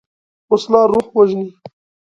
وسله روح وژني